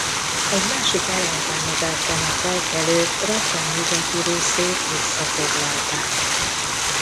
Egy másik ellentámadásban a felkelők Ratján nyugati részét visszafoglalták.